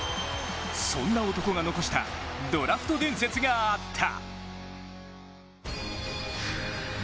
そんな男が残したドラフト伝説があった。